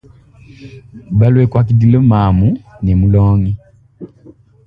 Balwe kwakidile mamu ne mulongi.